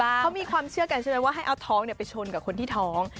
เขามีความเชื่อกันใช่ไหมว่าให้เอาท้องไปชนกับคนที่ท้อง